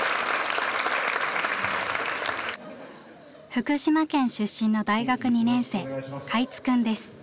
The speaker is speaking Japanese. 福島県出身の大学２年生海津くんです。